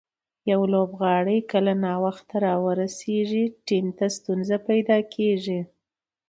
یو لوبغاړی کله ناوخته راورسېږي، ټیم ته ستونزه پېدا کیږي.